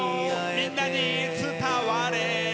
みんなに伝われ」